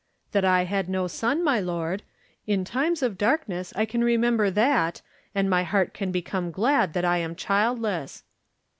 "'That I had no son, my lord. In times of darkness I can remember that and my heart can become glad that I am childless.'